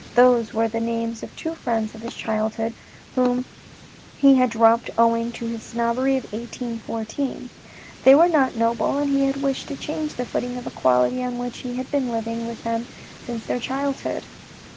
Those were the names of two friends of his childhood whom i3o THE RED AND THE BLACK he had dropped owing to his snobbery in 1814. They were not noble, and he had wished to change the footing of equality on which they had been living with him since their childhood.